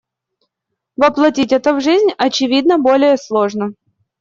Воплотить это в жизнь, очевидно, более сложно.